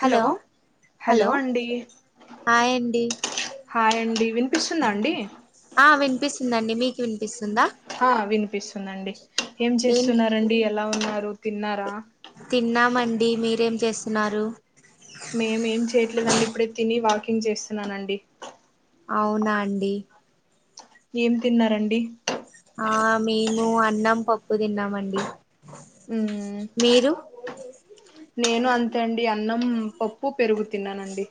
Hello hello hi hi అండి వినిపిస్తుందా అండి ఆ వినిపిస్తుందండి మీకు వినిపిస్తుందా ఆ వినిపిస్తుందండి ఏం చేస్తున్నారండి ఎలా ఉన్నారు తిన్నారా తిన్నామండి మీరేం చేస్తున్నారు మేము ఏం చేయట్లేదండి ఇప్పుడే తిని వాకింగ్ చేస్తున్నానండి అవునా అండి ఏం తిన్నారండి ఆ మేము అన్నం పప్పు తిన్నామండి ఉమ్ హా మీరు నేను అంతే అండి అన్నం పప్పు పెరుగు తిన్నానండి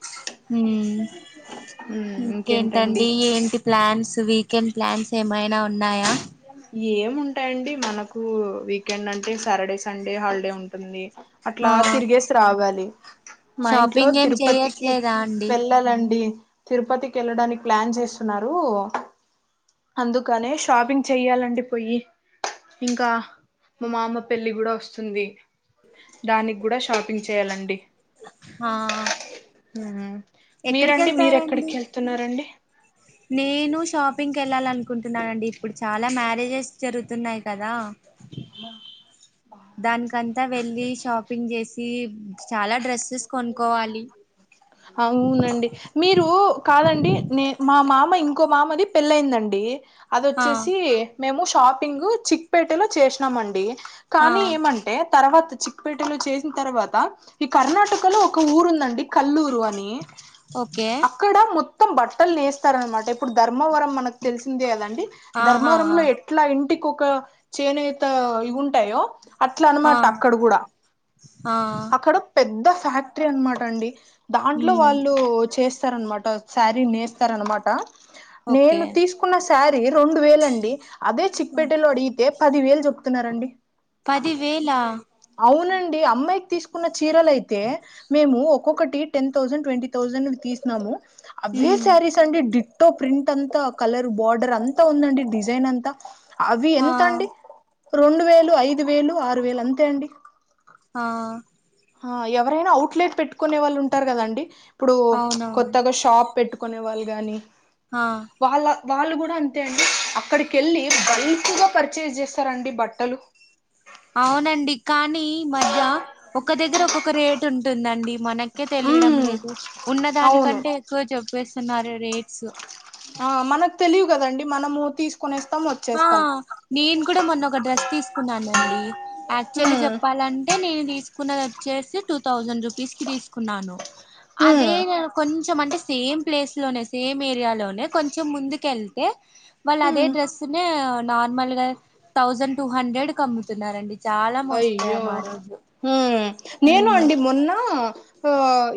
ఉమ్ ఇంకేంటండి ఏంటి ప్లాన్స్ వీకెండ్ ప్లాన్స్ ఏమైనా ఉన్నాయా ఏం ఉంటాయండి మనకు వీకెండ్ అంటే సాటర్డే సండే హాలిడే ఉంటుంది ఆ అట్లా తిరిగేసి రావాలి మా ఇంట్లో షాపింగ్ ఏం తిరుపతికి చెయ్యట్లేదా అండి వెళ్ళాలండి తిరుపతికి వెళ్ళడానికి ప్లాన్ చేస్తున్నారు అందుకనే షాపింగ్ చెయ్యాలండి పొయ్యి ఇంకా మా మామ పెళ్ళి కూడా వస్తుంది దానికి కూడా షాపింగ్ చేయాలండి ఆ ఉమ్ ఎక్కడికి మీరండి మీరూ వెళ్తారండి ఎక్కడికి వెళ్తున్నారండి నేను షాపింగ్ కి వెళ్ళాలి అనుకుంటున్నానండి ఇప్పుడు చాలా మ్యారేజెస్ జరుగుతున్నాయి కదా ఆ బాగా దానికంత వెళ్ళి షాపింగ్ చేసి చాలా డ్రెస్సెస్ కొనుక్కోవాలి అవునండి మీరు కాదండి నే మా మామ ఇంకో మామది పెళ్ళయిందండి ఆ అదోచ్చేసి మేము షాపింగ్ చిక్ పేట లో చేసాం అండి ఆ కానీ ఏమంటే తర్వాత చిక్ పేటలో చేసిన తర్వాత ఈ కర్ణాటక లో ఒక ఊరు ఉందండి కల్లూరు అని ఓకే ఇక్కడ మొత్తం బట్టలు నేస్తారన్నమాట ఇప్పుడు ధర్మవరం మనకు తెలిసిందే కదండి ఆహా ధర్మవరంలో ఎట్లా ఇంటికి ఒక చేనేత ఇవి ఉంటాయో అట్ల ఆ అన్నమాట అక్కడ గూడ ఆ అక్కడ పెద్ద ఫ్యాక్టరీ అన్న మాట అండి దాంట్లో ఉమ్ వాళ్ళు చేస్తారన్న మాట శారీ నేస్తారూ అన్న మాట ఓకే నేను తీస్ చకున్న సారీ రెండు వేలు అండి అదే చిక్ పేట లో అడిగితే పది వేలు చెప్తున్నారండి పదివేలు వేల అవునండి అమ్మాయికి తీసుకున్న చీరలయితే మేము ఒక్కొక్కటి టెన్ థౌసండ్ ట్వంటీ థౌసండ్ తీసినాము అవే ఉమ్ శారీస్ అండి తో ప్రింట్ అంతా కలర్ బార్డర్ అంతా ఉందండి డిజైన్ అంతా అవి ఆ ఎంతండి రెండువేలు ఐదువేలు ఆరువేలు అంతే అండి ఆ ఆ ఎవరైనా అవుట్లెట్ పెట్టుకునే వాళ్ళు ఉంటారు కదండి ఇప్పుడు అవునవును కొత్తగా షాప్ పెట్టు కొనేవాళ్ళు గాని ఆ వాళ్ళ వాళ్ళు కూడా అంతే అండి అక్కడికెళ్లి బల్క్ గా పర్చేస్ చేస్తారండి బట్టలు అవునండి కానీ ఈ మధ్య ఒక దగ్గర ఒక్కొక్క రేట్ ఉంటుందండి మనకే తెలియడం ఉమ్ లేదు అవును ఉన్నదానికంటే ఎక్కువ చెప్పేస్తున్నారు రేట్స్ ఆ మనకు తెలీవు కదండి మనము తీసుకొనేస్తాం వ ఆ నేను కూడా మొన్న ఒక డ్రెస్ తీసుకున్నానండి యాక్చువల్లీ ఉమ్ చెప్పాలం టే నేను తీసుకున్నది వచ్చేసి టూ థౌజండ్ రూపీస్ కి తీసుకున్నాను ఉమ్ అదే నేను కొం చెం అంటే సేమ్ ప్లేస్ లోనే సేమ్ ఏరియాలోనే కొంచెం ముందుకెళ్తే వాళ్ళు అదే ఉమ్ డ్రెస్ తునె నార్మల్ గా థౌజండ్ టూ హండ్రెడ్కు అమ్ముతున్నారండి చాలా అయ్యో మోసపోయాం ఆ రోజు ఉమ్మ్ ఉమ్ నేను అండి మొన్న ఆ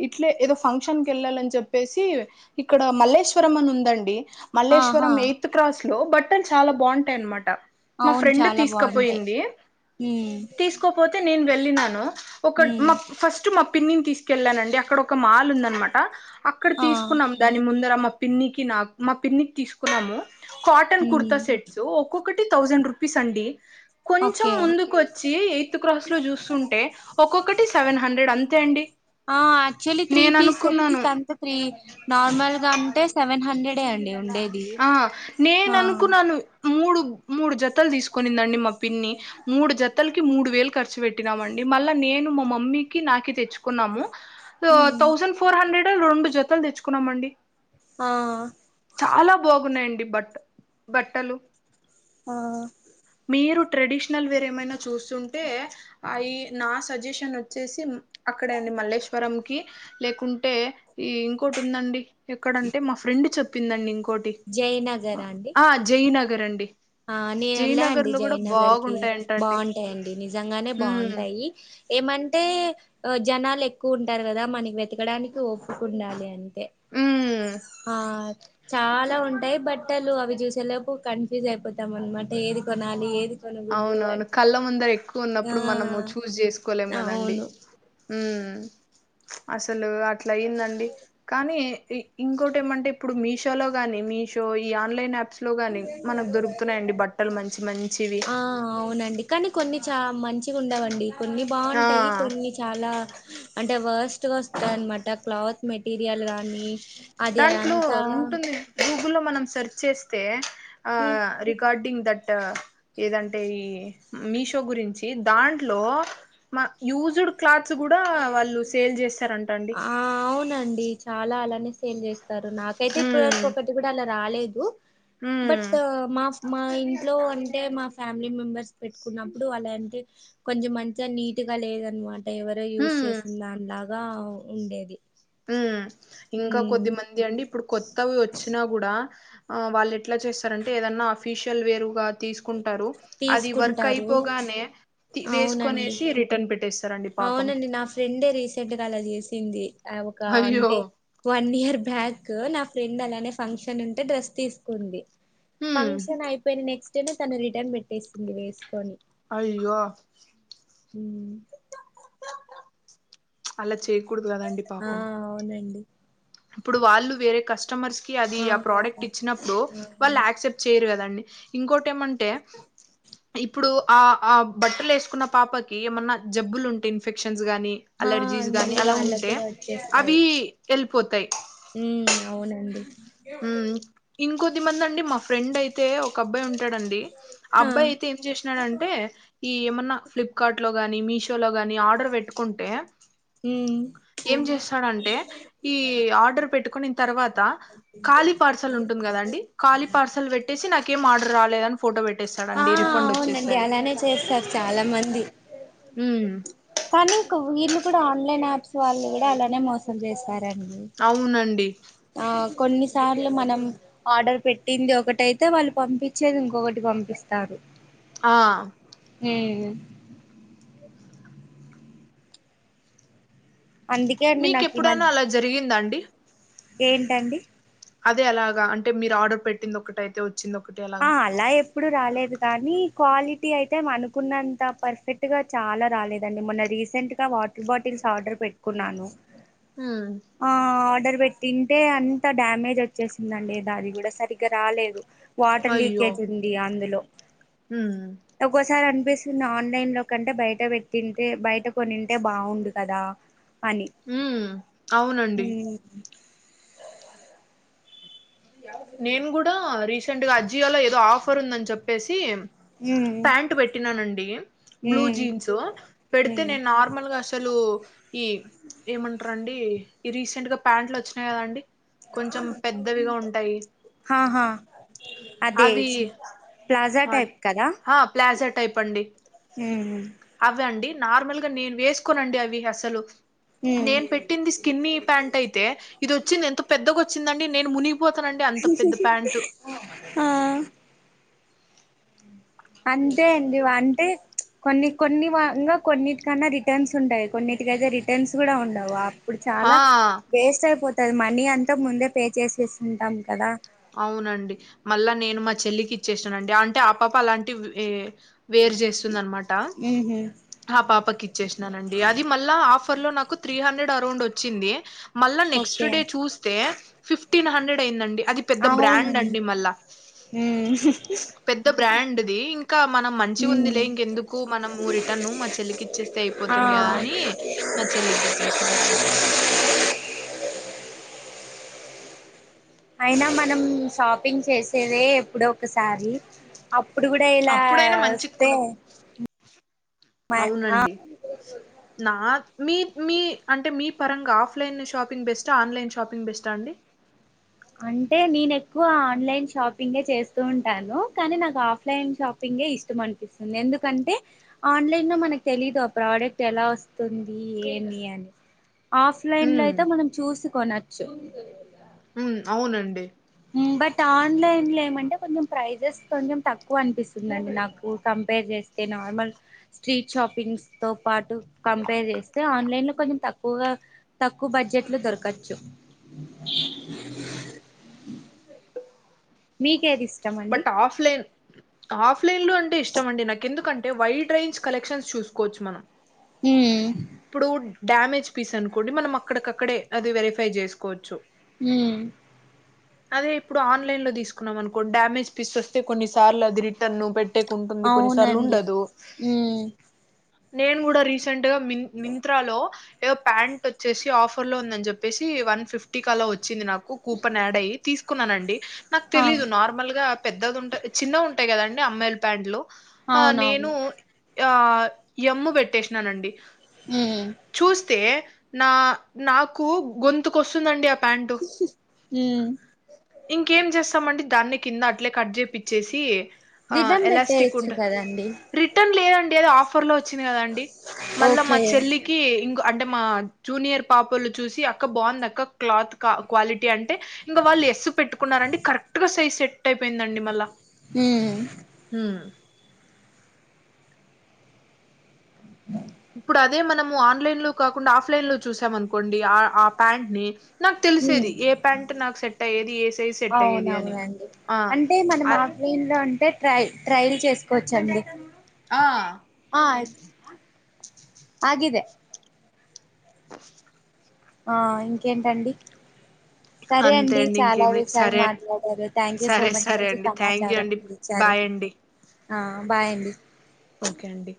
ఇట్లే ఏదో ఫంక్షన్కి వెళ్ళాలని చెప్పేసి ఇక్కడ మల్లేశ్వరం అని ఉందండి ఆహా మల్లేశ్వరం ఎయిత్ క్రాస్ లో బట్టలు చాలా బాగుంటాయి అనమాట మా ఫ్రెండ్ తీసుకపోయింది ఉమ్మ్ తీసుకోపోతే నేను వెళ్ళినను ఒక మ ఉమ్ ఫస్ట్ మ పిన్నిని తీసుకెళ్ళానండి అక్కడ ఒక మాల్ ఉంది అనమాట అక్కడ ఆ తీసుకుంనం దాని ముందర మా పిన్నికి నాకు మా పిన్నికి తీసుకున్నాము కాటన్ కుర్తా ఉమ్ సెట్ సో ఒక్కొక్కటి థౌసండ్ రూపీస్ అండి కొంచెం ఓకే ముందుకు వచ్చ ఎయిత్ క్రాస్ లో చూస్తుంటే ఒక్కొక్కటి సెవెన్ హండ్రెడ్ అంతే అండి యాక్చుల్లీ త్రీ నేను పీస్ సెట్స్ అనుకున్నాను కంత త్రీ నార్మల్ గా అంటే సెవెన్ హండ్రెడే అండి ఉండేది ఆ నేను ఆ అనుకున్నాను మూడు మూడు జతలు తీసుకొనిందండి మా పిన్ని మూడు జతలకి మూడు వేలు ఖర్చు పెట్టినామండి మళ్ల నేను మా మమ్మికి నాకి తెచ్చుకున్నాము ఉమ్ థౌసండ్ ఫోర్ హండ్రెడ్లో రెండు జతలు తెచ్చుకున్నామండి ఆ చాల బాగున్నాయండి బట్ట బట్టలు ఆ మీరు ట్రెడిషనల్ వేరేమైన చూస్తుంటే అయి నా సజెషన్ వచ్చేసి అక్కడండి మల్లేశ్వరం కి లేకుంటే ఈ ఇంకోటి ఉందండి ఎక్కడంటే మా ఫ్రెండ్ చెప్పిందండి ఇంకోటి జయనగర్ అండి ఆ జయనగర్ అండి ఆ నేను వెళ్ళా జీనగర్ అండి లో కూడా జయనగర్ కి బాగుంటాయంటండి బాగుంటాయిండి నిజంగానే ఉమ్ బాగుంటాయి ఏమంటే జనాలు ఎక్కువ ఉంటారు కదా మనకి వెతకడానికి ఓపిక ఉండాలి అ ఎ ఉమ్ ఆ చాల ఉంటాయి బట్ బట్టలు అవి చూసేలోపు కన్ఫ్యూజ్ అయిపోతాం అనమాట ఏది కొనాలి ఏది కొనకూడదు అవునవును అని కళ్ళముందర ఎక్కువ ఆ ఉన్నప్పుడు మనము చూజ్ చేసుకోలేం కదండి అవును ఉమ్మ్ అసలు అట్లా అయిందండి కానీ ఇ ఇంకోటి ఏమంటే ఇప్పుడు మీషోలో గానీ మీషో ఈ ఆన్లైన్ యాప్స్ లోగాని మనకు దొరుకుతున్నాయండి బట్టలు మంచి మంచివి ఆ అవునండి కానీ కొన్ని చ మంచిగా ఉండవండి కొన్ని బాగుంటాయి ఆ కొన్ని చాలా అంటే వర్స్ట్‌గా వస్తాది అన్నమాట క్లాత్ మెటీరియల్ కానీ దాంట్లో ఉంటుంది గూగుల్లో మనం సెర్చ్ చేస్తే ఆ ఉమ్, రి గార్డింగ్ దట్ ఏదంటే ఈ మీషో గురించి దాంట్లో మ యూజ్డ్ క్లాత్స్ కూడా వాళ్ళు సేల్ చేస్తారంట అండి ఆ అవునండి చాలా అలానే సేల్ చేస్తారు నాకైతే ఇప్పటి ఉమ్ వరకు ఒకటి గూడా అలా రాలేదు ఉమ్ బట్ మా మా ఇంట్లో అంటే మా ఫ్యామిలీ మెంబెర్స్ పెట్టుకున్నప్పుడు అలాంటే కొంచెం మంచిగా నీట్‌గా లేదనమాట ఎవరో యూజ్ ఉమ్ చేసిన దాని లాగా ఉండేది ఉమ్మ్ ఇంకా ఉమ్, కొద్ది మంది అండి ఇప్పుడు కొ త్తవి వచ్చినా కూడా ఆ వాళ్ళు ఎట్లా చేస్తారంటే ఏదన్నా అఫీషియల్ వేరుగా తీసుకుంటారు అది వర్క్ తీసుకుంటారు అయిపోగానే అవునండి వేసుకునేసి రిటర్న్ పెట్టే అవునండి నా ఫ్రెండే రీసెంట్‌గా అలా చేసింది ఆ ఒక అయ్యో అంటే వన్ ఇయర్ బ్యాక్ నా ఫ్రెండ్ అలానే ఫంక్షన్ ఉంటే డ్రెస్ తీసుకుంది ఉమ్ ఫంక్షన్ అయిపోయిన నెక్స్ట్‌ డేనే తను రిటర్న్ పెట్టేసింది వేసుకొని అయ్యో ఊమ్ అలా చేయకూడదు కదండి ఆ పాపం అవునండి ఇప్పుడు వాళ్ళు వేరే కస్టమర్స్ కి అది ఆ ప్రొడక్ట్ ఇచ్చినప్పుడు వాళ్ళు యాక్సెప్ చెయ్యరు గదండి ఇంకోటేమంటే ఇప్పుడు ఆ ఆ బట్టలు ఏసుకున్న పాపకి ఏమన్నా జబ్బులు ఉంటే ఇన్ఫెక్షన్స్ గానీ ఆ, అలర్జీస్ గాని మళ్ళీ అలా వాళ్ళకు ఉంటే కూడా అవి ఎళ్ళిపోతాయ్ ఉమ్మ్ అవునండి ఉమ్మ్ ఇంకొద్ది మంది అండి మా ఫ్రెండ్ అయితే ఒక అబ్బాయి ఉంటాడండి ఆ అబ్బాయ్ అయితే ఏం చేసినాడంటే ఈ ఏమన్నా ఫ్లిప్కార్ట్‌లో గానీ మీషోలో గాని ఆర్డర్ పెట్టుకుంటే ఉమ్ ఏం జేస్తాడంటే ఈ ఆర్డర్ పెట్టుకునిన్ తర్వాత కాళీ పార్సాల్ ఉంటుంది కదండి కాళీ పార్సాల్ పెట్టేసి నాకేమి ఆర్డర్ రాలేదని ఫోటో పె ఆ ట్టేస్తాడండి రిఫండ్ అవునండి ఒచ్చేస్తది అలానే చేస్తారు చాలా మంది ఉమ్మ్ కానీ ఇంక్ వీళ్ళు కూడా ఆన్లైన్ ఆప్స్ వాళ్ళు గూడా అలానే మో సం చేస్తారండి అవునండి ఆ కొన్నిసార్లు మనం ఆర్డర్ పెట్టింది ఒకటైతే వాళ్ళు పంపిచ్చేది ఇంకొకటి పంపిస్తారు ఆ ఉమ్మ్ అందుకే అండి నాకు ఈ మీకెప్పుడనా అలా మధ్య జరిగిందాండి ఏంటండి అదే అలాగా అంటే మీరు ఆర్డర్ పెట్టింది ఒకటైతే వ చ్చింది ఒకటి అ ఆ అలా ఎ ప్పుడు రాలేదు కానీ క్వాలిటీ అయితే అనుకున్నంత పర్ఫెక్ట్‌గా చాలా రాలేదండి మొన్న రీసెంట్ గా వాటర్ బాటిల్స్ ఆర్డర్ పెట్టుకున్నాను ఉమ్మ్ ఆ ఆర్డర్ పెట్టింటే అంత డ్యామేజ్ ఒచ్చేసిందండి ఏదా అది గూడా సరిగ్గా రాలేదు వాటర్ అయ్యో లీకేజ్ ఉంది అందులో ఉమ్ ఒక్కోసారి అనిపిస్తుంది ఆన్లైన్ లో కంటే బయట పెట్టింటే బయట కొనింటే బాగుండు కదా పని ఉమ్ అవునండి హ్లో నేను గూడా రీసెంట్ గా అజ్జియోలో ఏదో ఆఫర్ ఉందన్ చెప్పేసి ఉమ్ ప్యాంట్ పెట్టినానండి బ్లూ ఉమ్ జీన్స్ పెడితే ఉమ్ నేను నార్మల్ గా ష్ అసలు ఈ ఏమంటరండి ఈ రీసెంట్ గా ప్యాంట్లు వచ్చినాయి కదండి కొంచెం పెద్దవిగా ఉంటాయి హాహా అదే అవి ట్స్ ప్లాజా ఆ టైప్ కదా ఆ ప్లాజా ఉహ్ హ్ అవ్వాండి నార్మల్ గా నేను వేసుకోనండి అవి అసలు ఉమ్ నేను పెట్టింది స్ కిన్నీ ప్యాంట్ అయితే ఇదొచ్చింది ఎంత పెద్దగొచ్చిందండి నేను మునిగిపోతానండి అంత పెద్ద ప్యాంటు ఆ అంతే అండి వంటే కొన్ని కొన్ని వా ఇంగా కొన్నిటికన్నా రిటర్న్స్ ఉంటయి కొన్నిటికయితే రిటర్న్స్ గూడా ఉండవాప్ ప్పుడు ఆ చాలా వేస్ట్ అయిపోతది మనీ అంతా ముందే పే చేసేసిసుంటాం కదా అవునండి మళ్ళా నేను మా చెల్లికి ఇచ్చేసానండి అంటే ఆపాప అలాంటి వే వేరు చేస్తుందనమాట ఉహు ఆ పాపకిచ్చేషిననండి అది మళ్ళా ఆఫర్ లో నాకు త్రీ హండ్రెడ్ అరౌండ్ ఒచ్చింది మళ్ళా నెక్స్ట్ ఓకే డే చూస్తే ఫిఫ్టీన్ హండ్రెడ్ అయిందండి అది పెద్ద అవునా బ్రాండ్ ఉ అండి మళ్ళా హ్ పెద్ద బ్రాండ్ది ఇం కా మనం మంచిగుందిలే ఇంకెందుకు మనము రిటర్న్ మా చెల్లికి ఇచ్చేస్తే ఆ అయిపోతుంది కదా అని మా చెల్లికి ఇచ్చేసినానండి అయినా మనం షాపింగ్ చేసేదే ఎప్పుడో ఒకసారి అప్పుడు గుడా ఇలా అప్పుడైనా మంచి ఒస్తే కొను మ ఆ అవునండి నా మీ మీ అంటే మీ పరంగా ఆఫ్లైన్ షాపింగ్ బెస్టా ఆన్లైన్ షాపింగ్ బెస్టా అండి అంటే నేను ఎక్కువ ఆన్లైన్ షాపింగే చేస్తూ ఉంటాను కానీ నాకు ఆఫ్లైన్ షాపింగే ఇష్టం అం పిస్తుంది ఎందుకంటే ఆన్లైన్ లో మనకు తెలీదు ఆ ప్రొడక్ట్ ఎలా వస్తుంది ఏమీ అని ఆఫ్లైన్ లో ఉమ్ అయితే మనం చూసికొనొచ్చు ఉమ్ అవునండి మ్ బట్ ఆన్లైన్ లో ఏమంటే కొంచెం ప్రైజెస్ కొంచెం తక్కువ అనిపిస్తుందండి నాకు కంపేర్ చేస్ తే నార్మల్ స్ట్రీట్ షాపింగ్స్ తో పాటు కంపేర్ జేస్తే ఆన్లైన్ లో కొంచెం తక్కువగా తక్కువ బడ్జెట్లోదొరకచ్చు మీకేది ఇష్టం అండి బట్ ఆఫ్లైన్ ఆఫ్లైన్ లో అంటే ఇష్టం అండి నాకు ఎందుకంటే వైడ్ రేంజ్ కలెక్షన్స్ చూసుకోవచ్చు మనం హు ఉమ్ ఇప్పుడు డ్యామేజ్ పీస్ అనుకోండి మనం అక్కడకక్కడే అది వెరిఫై జేసుకోవొచ్చు ఉమ్ అదే ఇప్పుడు ఆన్లైన్ లో తీసుకున్నాం అనుకో డ్యామేజ్ పీస్ వస్తే కొన్నిసార్లు అది రిటర్న్ పెట్ ట్టే ఉంటుంది కొన్నిసార్లు అవునండి ఉండదు. ఉమ్ నేను గూడా రీసెంట్ గా మిన్ మింత్రా లో, ఏదో ప్యాంట్ ఒచ్చేషి ఆఫర్ లో ఉందన్ జెప్పేసి వన్ ఫిఫ్టీ కలా వొచ్చింది నాక్, కూపన్ యాడ్ అయి తీసుకున్నానండి నాకు అ తెలీదు నార్మల్ గా, పెద్దదుంటది యి చిన్న ఉంటాయి కదండి అమ్మాయిలు ప్యాంట్లు ఆ నేను, అవునవును యా ఎమ్ము బెట్టేషినానండి. ఉహ్మ్ చూస్తే నా నాకు గొంతుకొస్తుందండి ఆ ప్యాంట్, ఉమ్ ఇంకేం చేస్తామండి దాన్ని కింద అట్లే కట్ చేపిచ్చేసి. ఆ రిటర్న్ ఎలాస్టిక్ పెట్టేయచ్చు ఉంట కదండి రిటర్న్ లేదండి ఏదో ఆఫర్ లోచ్, చ్చిందిగదండి మళ్ళా మా ఓకే చెల్లి. కి ఇం కొ అంటే మా జూనియర్ పాపలు చూసి అక్క బాగుంది అక్క క్లాత్ కా క్వాలిటీ అంటే, ఇంకా వాళ్ళు ఎస్ పెట్టుకున్నారండి కరెక్ట్ గా సైజ్ సెట్ అయిపోయిందండి మళ్ళా. ఉమ్. ఉమ్ ఇప్పుడు అదే మనము ఆన్లైన్ లో కాకుండా ఆఫ్లైన్ లో చూసాం అనుకోండి ఆ ఆ ప్యాంట్ ని, నాక్ తెలిసేది ఉమ్ ఏ ప్యాంట్ నాక్ సెట్ అయ్యేది ఏ సైజ్ సెట్ అయ్యేది అని ఆ. నా. నీదంటే ట్రై ట్రైల్ చేసుకోవచ్చండి. ఆ ఆయి ఆగిదే ఆ ఇంకేంటండి. సరే అంతే అండి చాలా ఇంకేమి విషయాలు సరే మాట్లాడారు థ్యాంక్ యూ సో మచ్ మంచి సమాచారం ఇప్పుడు. బాయండి. ఆ బాయండి. ఓకే అండి